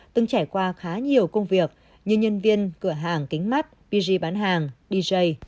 từng trải qua khá nhiều công việc như nhân viên cửa hàng kính mắt pg bán hàng dj